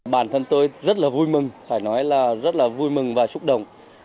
bản thân tôi rất là vui mừng phải nói là rất là vui mừng và xúc động